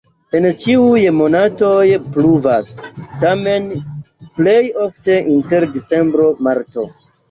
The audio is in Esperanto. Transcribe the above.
En ĉiuj monatoj pluvas, tamen plej ofte inter decembro-marto.